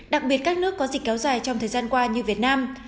đặc biệt các nước có dịch kéo dài trong thời gian qua như việt nam